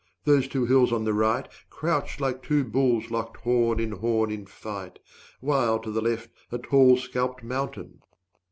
those two hills on the right, Crouched like two bulls locked horn in horn in fight; While to the left, a tall scalped mountain